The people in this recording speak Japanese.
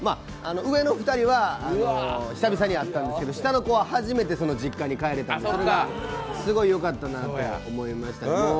上の２人は久々に会ったんですけど下の子は初めて実家に帰れたのですごいよかったなと思いました。